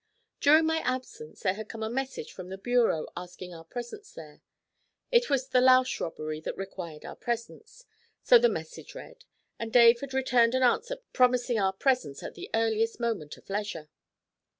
During my absence there had come a message from the bureau asking our presence there. It was the Lausch robbery that 'required our presence,' so the message read, and Dave had returned an answer promising our presence at the earliest moment of leisure.